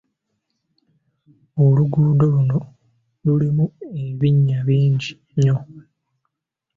Oluguudo luno lulimu ebinnya bingi nnyo.